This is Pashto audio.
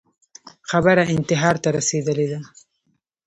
خبره انتحار ته رسېدلې ده